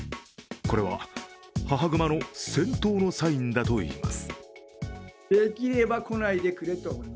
これは、母熊の戦闘のサインだといいます。